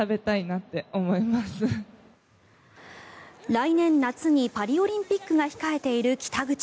来年夏にパリオリンピックが控えている北口。